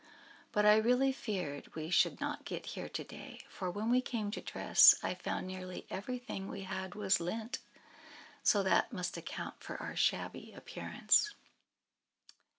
But I really feared we should not get here to day; for when we came to dress I found nearly everything we had was lent; so that must account for our shabby appearance." "He!